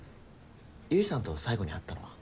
結衣さんと最後に会ったのは？